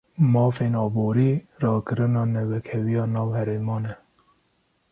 Mafên aborî, rakirina newekheviya nav herêman e